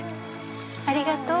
ありがとう。